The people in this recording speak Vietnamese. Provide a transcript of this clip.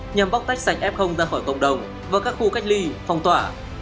nhằm bóc tách f ra khỏi cộng đồng và các khu cách ly phong tỏa